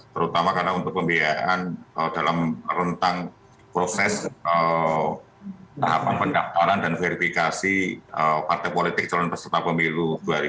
terutama karena untuk pembiayaan dalam rentang proses pendaftaran dan verifikasi partai politik calon peserta pemilu dua ribu dua puluh